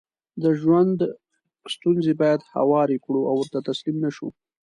دژوند ستونزې بايد هوارې کړو او ورته تسليم نشو